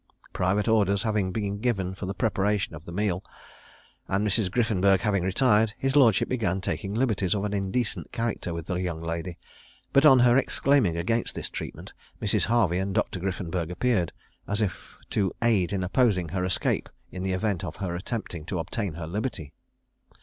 Private orders having been given for the preparation of this meal, and Mrs. Griffenburg having retired, his lordship began taking liberties of an indecent character with the young lady; but on her exclaiming against this treatment, Mrs. Harvey and Dr. Griffenburg appeared, as if to aid in opposing her escape in the event of her attempting to obtain her liberty.